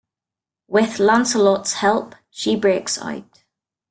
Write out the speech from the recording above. With Lancelot's help she breaks out.